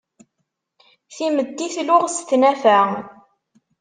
Timetti tluɣ s tnafa.